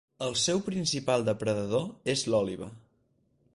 El seu principal depredador és l'òliba.